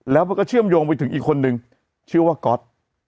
แล้วมันก็เชื่อมโยงไปถึงอีกคนนึงชื่อว่าก๊อต